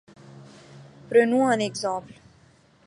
Prenons un exemple.